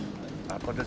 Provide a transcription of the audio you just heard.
atau dari sebagai pengurus